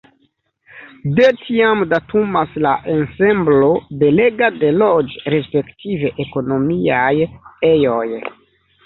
De tiam datumas la ensemblo belega de loĝ- respektive ekonomiaj ejoj.